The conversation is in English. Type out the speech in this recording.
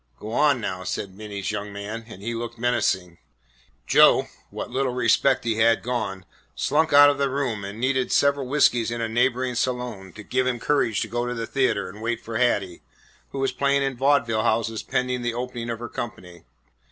"Go on now," said Minty's young man; and he looked menacing. Joe, what little self respect he had gone, slunk out of the room and needed several whiskeys in a neighbouring saloon to give him courage to go to the theatre and wait for Hattie, who was playing in vaudeville houses pending the opening of her company.